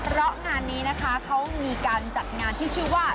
เพราะงานนี้นะคะเขามีการจัดงานที่ชื่อว่า